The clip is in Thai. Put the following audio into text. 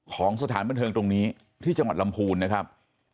สถานบันเทิงตรงนี้ที่จังหวัดลำพูนนะครับ